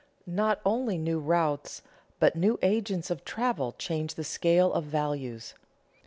_ Not only new routes but new agents of travel change the scale of values.